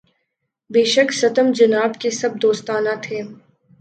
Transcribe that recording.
بے شک ستم جناب کے سب دوستانہ تھے